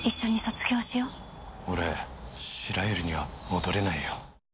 俺、白百合には戻れないよ。